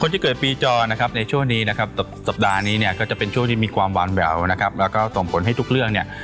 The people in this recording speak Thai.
ที่เกิดปีจอนะครับในช่วงนี้นะครับสัปดาห์นี้เนี่ยก็จะเป็นช่วงที่มีความหวานแหววนะครับแล้วก็ส่งผลให้ทุกเรื่องเนี่ย